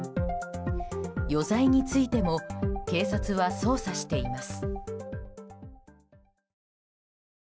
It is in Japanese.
余罪についても警察は捜査しています。